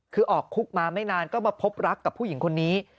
คือออกคุกมาไม่นานก็มาพบรักกับผู้หญิงคนนี้